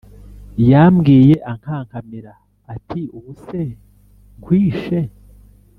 Yambwiye ankankamira ati ubu se nkwishe